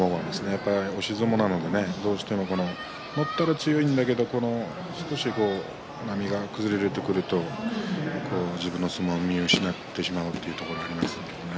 やっぱり押し相撲なのでどうしても乗ったら強いんだけれど少し波が崩れてくると自分の相撲を見失ってしまうところがありますので。